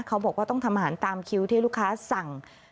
เขาบอกว่าต้องทำอาหารตามคิวที่ลูกค้าสั่ง